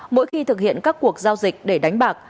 mỗi khi thực hiện các cuộc giao dịch để đánh bạc